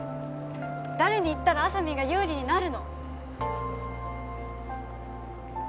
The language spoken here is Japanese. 誰に言ったらあさみんが有利になるの？